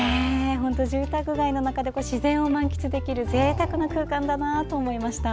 住宅街の中で自然を満喫できるぜいたくな空間だなと思いました。